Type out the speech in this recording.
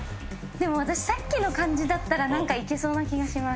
でも私さっきの感じだったらなんかいけそうな気がします。